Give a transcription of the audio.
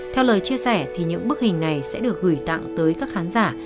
theo lời chia sẻ thì những bức hình này sẽ được gửi tặng tới các khán giả